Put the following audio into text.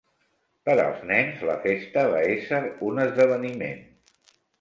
Per als nens la festa va ésser un esdeveniment.